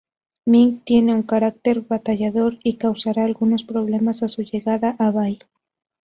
Mink tiene un carácter batallador y causará algunos problemas a su llegada a Bay.